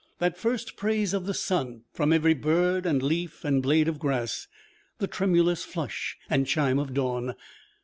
That first praise of the sun from every bird and leaf and blade of grass, the tremulous flush and chime of dawn!